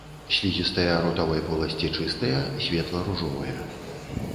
Слізістыя ротавай поласці чыстыя, светла-ружовыя.